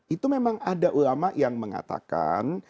itu memang ada ulama yang mengatakan